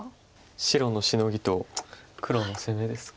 白のシノギと黒の攻めですか。